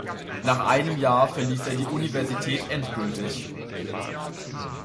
Nach einem Jahr verließ er die Universität endgültig.